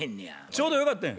ちょうどよかったやん。